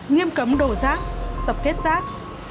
nghiêm cấm đổ rác tập kết rác